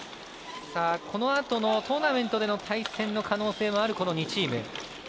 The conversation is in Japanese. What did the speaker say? このあとのトーナメント、対戦の可能性もある、この２チーム。